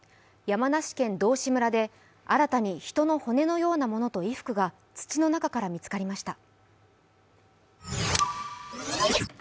山梨県道志村で新たに人の骨のようなものと衣服が土の中から見つかりました。